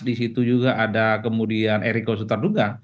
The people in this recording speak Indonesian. di situ juga ada kemudian eriko sutarduga